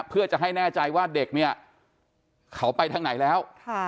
เพื่อจะให้แน่ใจว่าเด็กเนี่ยเขาไปทางไหนแล้ว